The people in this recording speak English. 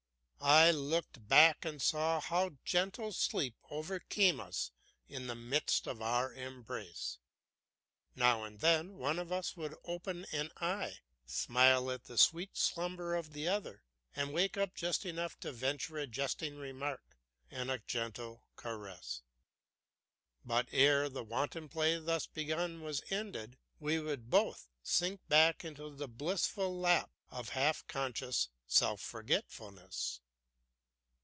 I looked back and saw how gentle sleep overcame us in the midst of our embrace. Now and then one of us would open an eye, smile at the sweet slumber of the other, and wake up just enough to venture a jesting remark and a gentle caress. But ere the wanton play thus begun was ended, we would both sink back into the blissful lap of half conscious self forgetfulness.